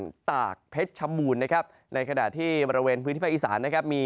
เพชชบูนตากเพชชบูนนะครับในขณะที่บริเวณพื้นที่ภาคอีสานนะ